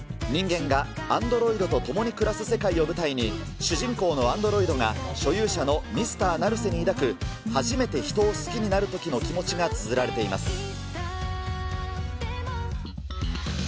人間がアンドロイドと共に暮らす世界を舞台に、主人公のアンドロイドが所有者のミスターナルセに抱く、初めて人を好きになるときの気持ちがつづられています。